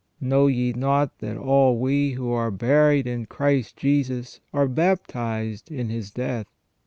Know ye not that all we who are baptized in Christ Jesus are baptized in His death?